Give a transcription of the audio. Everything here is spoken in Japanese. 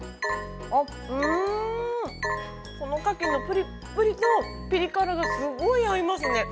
このカキのプリップリとピリ辛がすごい合いますね。